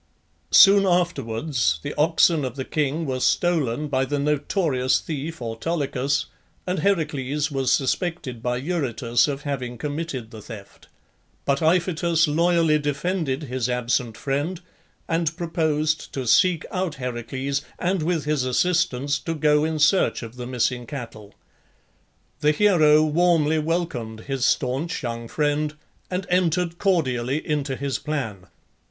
Soon afterwards the oxen of the king were stolen by the notorious thief Autolycus, and Heracles was suspected by Eurytus of having committed the theft. But Iphitus loyally defended his absent friend, and proposed to seek out Heracles, and with his assistance to go in search of the missing cattle. The hero warmly welcomed his staunch young friend, and entered cordially into his plan.